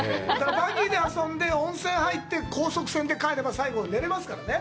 バギーで遊んで温泉に入って、高速船で帰れば、最後に寝れますからね。